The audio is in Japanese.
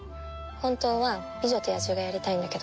本当は『美女と野獣』がやりたいんだけど。